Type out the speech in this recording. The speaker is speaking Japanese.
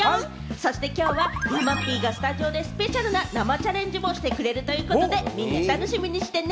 そしてきょうは山Ｐがスタジオでスペシャルな生チャレンジもしてくれるということで、みんな楽しみにしてね。